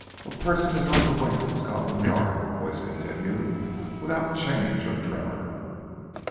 "A person is on the way from Scotland Yard," the voice continued, without change or tremor.